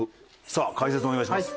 さあ解説お願いします。